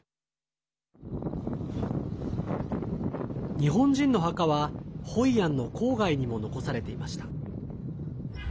日本人の墓はホイアンの郊外にも残されていました。